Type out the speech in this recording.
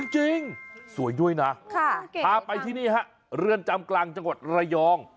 สวยด้วยนะพาไปที่นี่ฮะเรือนจำกลางจังหวัดระยอง